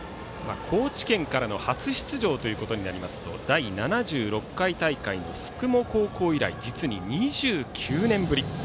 高知県からの初出場となりますと第７６回大会の学校以来実に２９年ぶり。